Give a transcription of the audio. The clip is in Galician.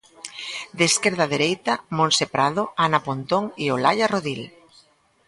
De esquerda a dereita, Montse Prado, Ana Pontón e Olalla Rodil.